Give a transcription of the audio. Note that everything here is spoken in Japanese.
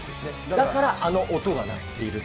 だからあの音が鳴っていると。